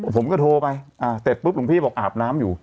ผมก็โทรไปเสร็จปุ๊บหลวงพี่บอกอาบน้ำอยู่